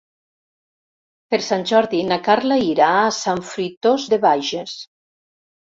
Per Sant Jordi na Carla irà a Sant Fruitós de Bages.